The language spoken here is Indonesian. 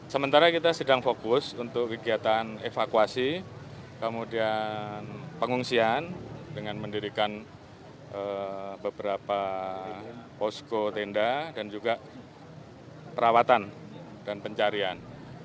sementara kita sedang fokus untuk kegiatan evakuasi kemudian pengungsian dengan mendirikan beberapa posko tenda dan juga perawatan dan pencarian